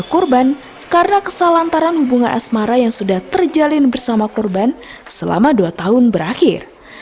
korban karena kesal antara hubungan asmara yang sudah terjalin bersama korban selama dua tahun berakhir